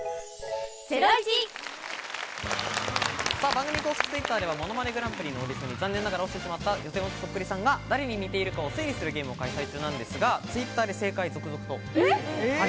番組公式Ｔｗｉｔｔｅｒでは『ものまねグランプリ』のオーディションに残念ながら落ちてしまった予選落ちそっくりさんが誰に似ているかを推理するゲームを開催中なんですが、Ｔｗｉｔｔｅｒで正解が続々と。